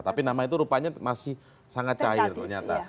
tapi nama itu rupanya masih sangat cair ternyata